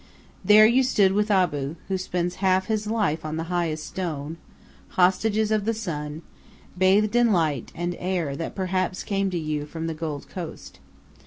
There you stood with Abou, who spends half his life on the highest stone, hostages of the sun, bathed in light and air that perhaps came to you from the Gold Coast.